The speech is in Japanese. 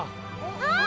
あっ！